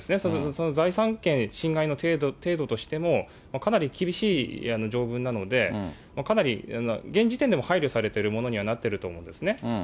その財産権侵害の程度としても、かなり厳しい条文なので、かなり、現時点でも配慮されてるものにはなってると思うんですね。